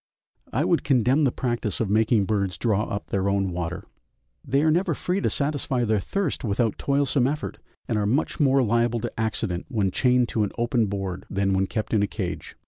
I would condemn the practice of making birds draw up their own water; they are never free to satisfy their thirst without toilsome effort, and are much more liable to accident when chained to an open board than when kept in a cage.